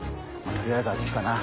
とりあえずあっちかな。